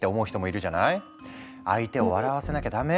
相手を笑わせなきゃダメ？